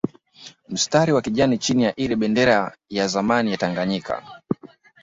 Mstari wa kijani chini wa ile bendera ya zamani ya Tanganyika